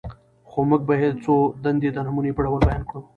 خو موږ به ئې څو دندي د نموني په ډول بيان کړو: